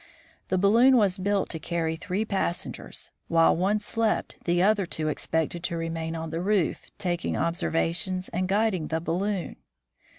The balloon was built to carry three passengers. While one slept, the other two expected to remain on the roof, taking observations and guiding the balloon.